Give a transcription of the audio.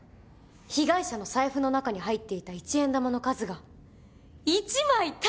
被害者の財布の中に入っていた一円玉の数が１枚足りなか。